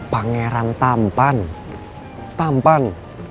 pangeran tampan tampan